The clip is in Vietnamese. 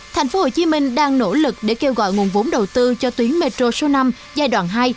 tp hcm đang nỗ lực để kêu gọi nguồn vốn đầu tư cho tuyến metro số năm giai đoạn hai